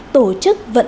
tổ chức vận hành